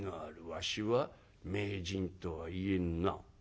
わしは名人とは言えんな」。